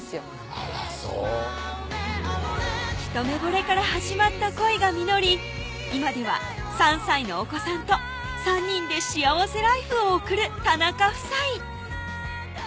あらそう一目ぼれから始まった恋が実り今では３歳のお子さんと３人で幸せライフを送る田中夫妻